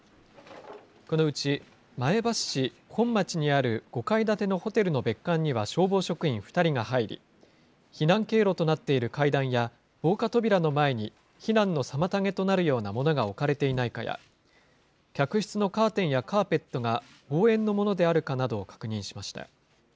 このうち、前橋市本町にある５階建てのホテルの別館には消防職員２人が入り、避難経路となっている階段や、防火扉の前に避難の妨げとなるようなものが置かれていないかや、客室のカーテンやカーペットが防炎のものであるかなどを確認しました。